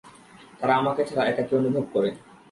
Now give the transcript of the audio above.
তারা আমাকে ছাড়া একাকী অনুভব করে।